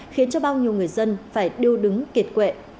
khiến cho bao nhiêu người dân phải điêu đứng kiệt quệ